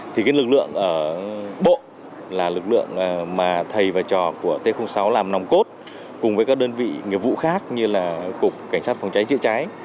thì cái lực lượng ở bộ là lực lượng mà thầy và trò của t sáu làm nòng cốt cùng với các đơn vị nghiệp vụ khác như là cục cảnh sát phòng cháy chữa cháy